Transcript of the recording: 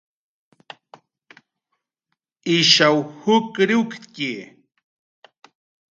Ishaw jukriwktxi